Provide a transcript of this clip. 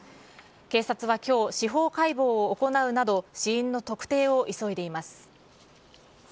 警察はきょう、司法解剖を行うなど、死因の特定を急いでいます。